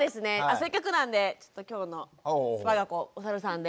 せっかくなんでちょっと今日のわが子をおさるさんで。